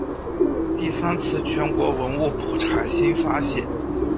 第三次全国文物普查新发现。